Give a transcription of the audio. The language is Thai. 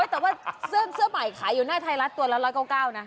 แต่ว่าเสื้อใหม่ขายอยู่หน้าไทยรัฐตัวละ๑๙๙นะ